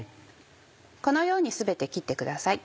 このように全て切ってください。